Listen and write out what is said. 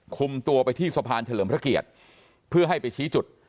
คุมตัวไปที่สะพานเฉลิมพระเกียรติเพื่อให้ไปชี้จุด